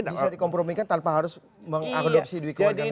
bisa di kompromikan tanpa harus mengadopsi duit ke warga negara